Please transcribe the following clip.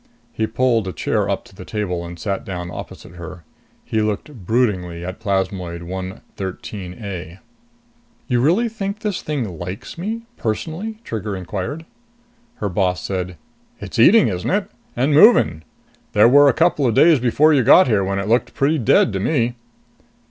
He pulled a chair up to the table and sat down opposite her. He looked broodingly at plasmoid 113 A. "You really think this thing likes me personally?" Trigger inquired. Her boss said, "It's eating, isn't it? And moving. There were a couple of days before you got here when it looked pretty dead to me."